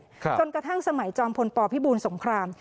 จนกระทั่งสมัยจอมพลปพิบูลสงคราม